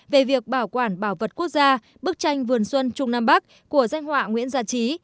về việc bảo quản bảo vật quốc gia bức tranh vườn xuân trung nam bắc của danh họa nguyễn gia trí